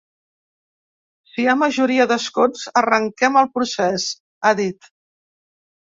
Si hi ha majoria d’escons, arrenquem el procés, ha dit.